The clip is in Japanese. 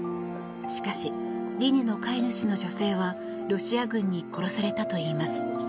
しかし、リニの飼い主の女性はロシア軍に殺されたといいます。